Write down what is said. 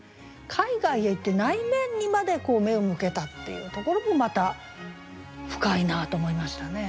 海外へ行って内面にまで目を向けたっていうところもまた深いなと思いましたね。